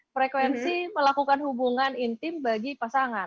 frekuensi melakukan hubungan intim bagi pasangan